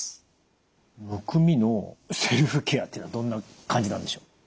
むくみのセルフケアっていうのはどんな感じなんでしょう？